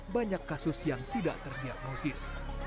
banyak kasus yang tidak terdiagnosis